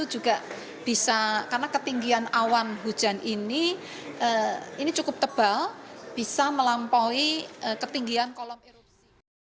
juga bisa karena ketinggian awan hujan ini cukup tebal bisa melampaui ketinggian kolom erupsi